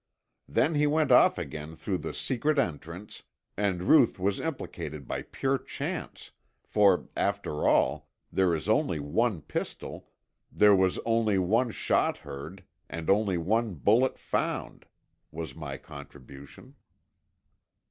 Then he went off again through the secret entrance, and Ruth was implicated by pure chance, for, after all, there is only one pistol, there was only one shot heard, and only one bullet found," was my contribution.